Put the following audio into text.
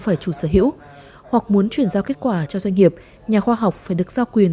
phải chủ sở hữu hoặc muốn chuyển giao kết quả cho doanh nghiệp nhà khoa học phải được giao quyền